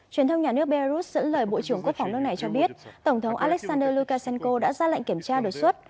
truyền thông nhà nước belarus dẫn lời bộ trưởng quốc phòng nước này cho biết tổng thống alexander lukashenko đã ra lệnh kiểm tra đột xuất